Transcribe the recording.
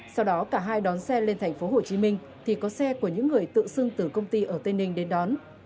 sau đó cả hai đón xe lên thành phố hồ chí minh thì có xe của những người tự xưng từ công ty ở tây ninh đến đón